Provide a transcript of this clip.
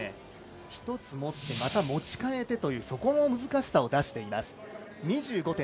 １つ持ってまた持ち替えてというそこの難しさを出しています。